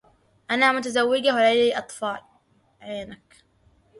أنا متزوّجة و لديّ أطفال.